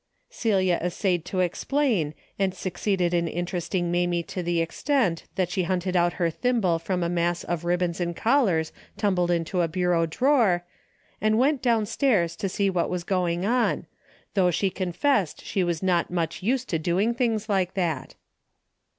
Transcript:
" Celia essayed to explain and succeeded in interesting Mamie to the extent that she hunted out her thimble from a mass of ribbons and collars tumbled into a bureau drawer, and went downstairs to see what was going on, though she confessed she was not much used to doing things like that.